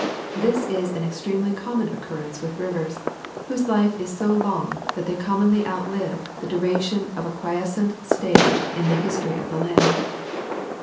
This is an extremely common occurrence with rivers, whose life is so long that they commonly outlive the duration of a quiescent stage in the history of the land.